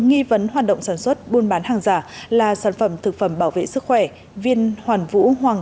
nghi vấn hoạt động sản xuất buôn bán hàng giả là sản phẩm thực phẩm bảo vệ sức khỏe viên hoàn vũ hoàng